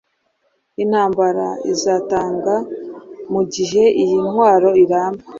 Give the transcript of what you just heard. Intambara izatangamugihe iyi ntwaro iramba